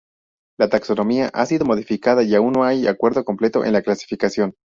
La taxonomía ha sido modificada y aún no hay acuerdo completo en la clasificación.